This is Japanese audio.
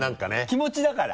気持ちだから。